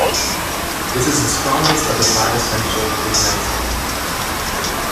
This is the strongest of the five essential dignities of a planet.